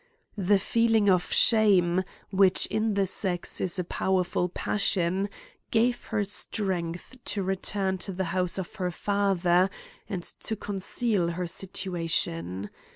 The feeling of shame, which in the sex is a powerful passion, gave her strength to return to the house of her father, and to conceal her si tuation.